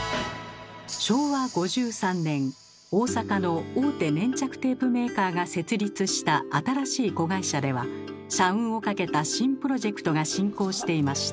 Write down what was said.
昭和５３年大阪の大手粘着テープメーカーが設立した新しい子会社では社運をかけた新プロジェクトが進行していました。